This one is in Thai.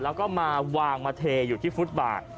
แล้วก็มาวางมาเทอยู่ที่ฟุตบาท